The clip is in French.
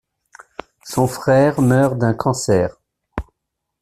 Son frère meurt d'un cancer.